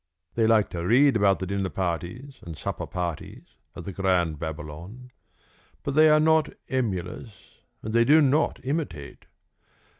They like to read about the dinner parties and supper parties at the Grand Babylon; but they are not emulous, and they do not imitate.